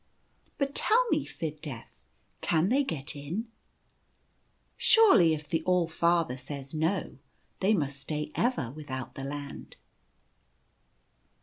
" But tell me, Fid Def, can they get in ? Surely, if the All Father says, No! they must stay ever without the Land."